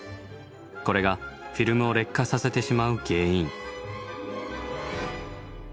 これがフィルムを劣化させてしまう原因。